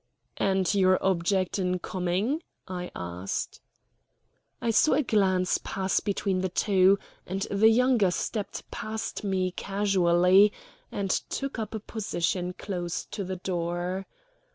"And your object in coming?" I asked. I saw a glance pass between the two, and the younger stepped past me casually, and took up a position close to the door.